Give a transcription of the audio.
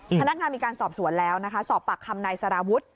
อืมพนักงานมีการสอบสวนแล้วนะคะสอบปากคำในสาระพุธอ่า